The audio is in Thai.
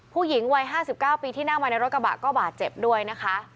ผู้หญิงวัย๕๙ปีที่นั่งมาในรถกระบะก็บาดเจ็บด้วยนะคะ